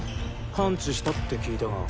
完治したって聞いたが。